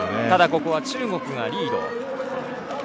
ただここは、中国がリード。